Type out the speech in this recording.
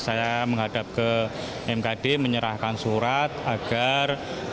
saya menghadap ke mkd menyerahkan surat agar mkd untuk memerhentikan atau memecat